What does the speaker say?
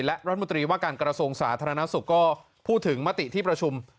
และรัฐมนตรีว่าการกระทรวงสาธารณสุขก็พูดถึงมติที่ประชุม